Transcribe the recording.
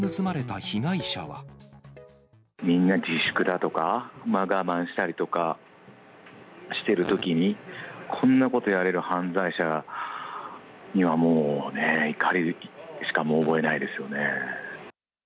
みんな自粛だとか、我慢したりだとかしてるときに、こんなことやれる犯罪者にはもうね、怒りしか、もう覚えないです